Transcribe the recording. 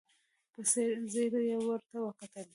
په ځير ځير يې ورته وکتل.